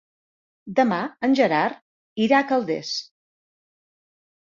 Demà en Gerard irà a Calders.